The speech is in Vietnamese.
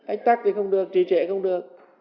ách tắc thì không được trì trệ không được